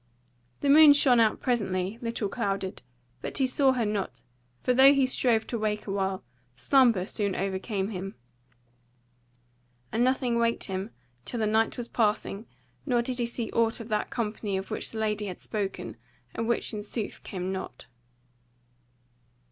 The moon shone out presently, little clouded, but he saw her not, for though he strove to wake awhile, slumber soon overcame him, and nothing waked him till the night was passing, nor did he see aught of that company of which the lady had spoken, and which in sooth came not.